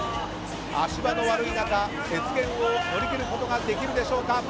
足場の悪い中、雪原を乗り切ることができるでしょうか。